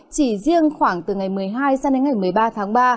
chỉ riêng khoảng từ ngày một mươi hai sang đến ngày một mươi ba tháng ba